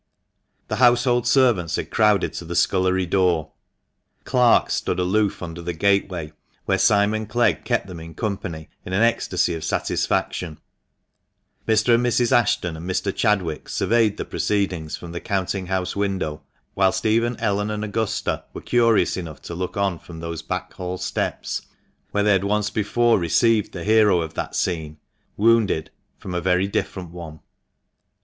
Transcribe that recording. The household servants had crowded to the scullery door ; clerks stood aloof under the gateway, where Simon Clegg kept them in company in an ecstasy of satisfaction ; Mr. and Mrs. Ashton and Mr. Chadwick surveyed the proceedings from the counting house window, whilst even Ellen and Augusta were curious enough to look on from those back hall steps where they had once before received the hero of that scene, wounded — from a very different one.